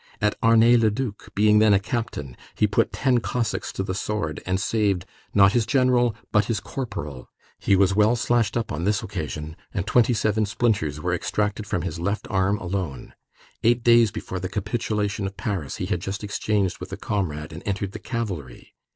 At Arnay Le Duc, being then a captain, he put ten Cossacks to the sword, and saved, not his general, but his corporal. He was well slashed up on this occasion, and twenty seven splinters were extracted from his left arm alone. Eight days before the capitulation of Paris he had just exchanged with a comrade and entered the cavalry.